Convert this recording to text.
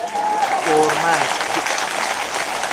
اُرمزد